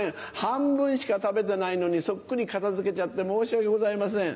半分しか食べてないのにそっくり片付けちゃって申し訳ございません。